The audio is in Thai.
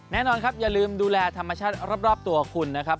แน่นอนครับอย่าลืมดูแลธรรมชาติรอบตัวคุณนะครับ